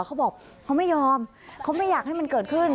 เขาบอกเขาไม่ยอมเขาไม่อยากให้มันเกิดขึ้น